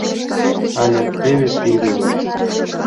Але теве тиде.